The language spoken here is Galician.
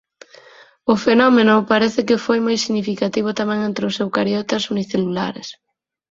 O fenómeno parece que foi moi significativo tamén entre os eucariotas unicelulares.